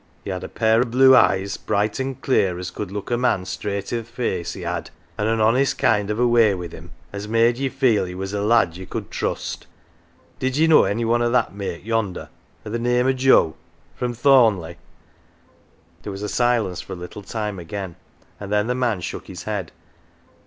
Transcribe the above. He had a pair o' blue eyes, bright an 1 clear, as could look a man straight i' th' face, he had ; and an honest kind of a way wi' him as made ye feel he was a lad ye could trust. Did ye know any one o' that make yonder, o' th' name o' Joe, from Thorn leigh?" There was a silence for a little time again, and then the man shook his head.